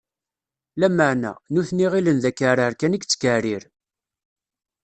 Lameɛna, nutni ɣilen d akeɛrer kan i yettkeɛrir.